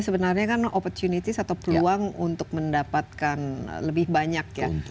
sebenarnya kan opportunity atau peluang untuk mendapatkan lebih banyak ya